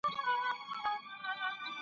ساینسي قاطعیت له شک پرته نه رامنځته کېږي.